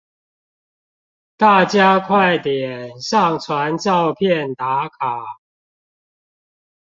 大家快點上傳照片打卡